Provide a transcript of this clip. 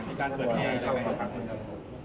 มีการเกิดให้เข้ามาพักอยู่